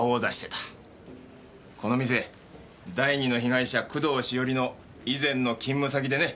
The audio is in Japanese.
この店第２の被害者工藤しおりの以前の勤務先でね。